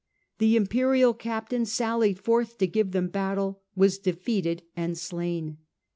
The Imperial Captain sallied forth to give them battle, was defeated and slain.